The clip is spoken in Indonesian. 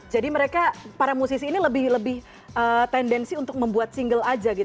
jadi mereka para musisi ini lebih lebih tendensi untuk membuat single aja gitu